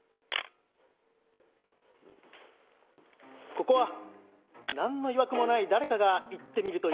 ここは何のいわくもない誰かが行ってみるというのは。